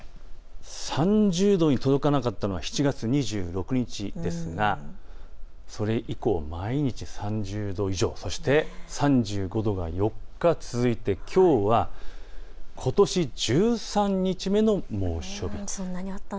３０度に届かなかったのが７月２６日ですがそれ以降、毎日３０度以上そして３５度が４日続いてきょうはことし１３日目の猛暑日。